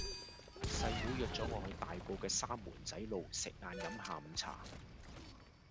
細妹約左我去大埔嘅三門仔路食晏飲下午茶